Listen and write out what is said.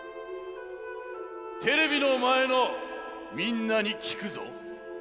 テレビのまえのみんなにきくぞ。